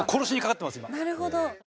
なるほど！